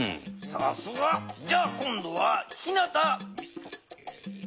さすが。じゃあ今どはひなた。